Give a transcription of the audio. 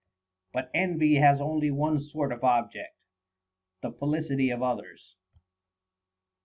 But envy has only one sort of object, the felicity of others.